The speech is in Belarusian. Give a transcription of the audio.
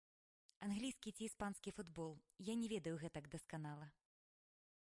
Англійскі ці іспанскі футбол я не ведаю гэтак дасканала.